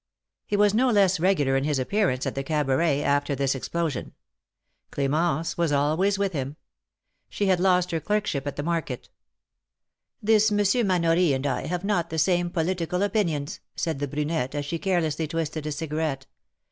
He was no less regular in his appearance at the Cabaret, after this explosion. Cl^mence was always with him. She had lost her clerkship at the market. THE MAEKETS OF PARIS. 259 ^^This Monsieur Manory and I have not the same political opinions/^ said the brunette, as she carelessly twisted a cigarette.